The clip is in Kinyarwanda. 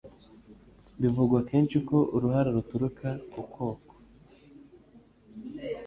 Bivugwa akenshi ko uruhara ruturuka ku koko